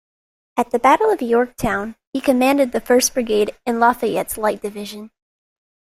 At the Battle of Yorktown, he commanded the first brigade in Lafayette's Light Division.